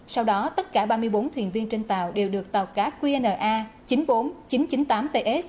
sau đó tất cả ba mươi bốn thuyền viên trên tàu đều được tàu cá qna chín mươi bốn nghìn chín trăm chín mươi tám ts